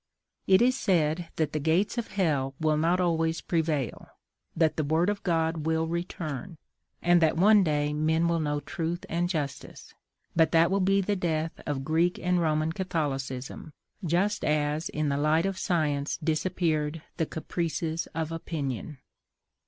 It is said that the GATES OF HELL will not always prevail, that THE WORD OF GOD will return, and that one day men will know truth and justice; but that will be the death of Greek and Roman Catholicism, just as in the light of science disappeared the caprices of opinion.